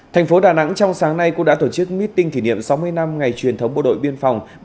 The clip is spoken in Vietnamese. thành phố đà nẵng trong sáng nay cũng đã tổ chức meeting kỷ niệm sáu mươi năm ngày truyền thống bộ đội biên phòng